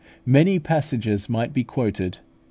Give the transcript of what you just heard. Many passages might be quoted.